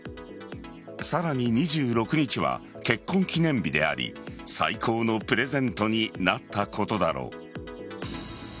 さらに２６日は結婚記念日であり最高のプレゼントになったことだろう。